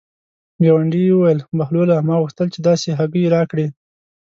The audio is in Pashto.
ګاونډي یې وویل: بهلوله ما غوښتل چې داسې هګۍ راکړې.